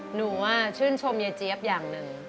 หนูชื่นชมยายเจี๊ยบอย่างหนึ่ง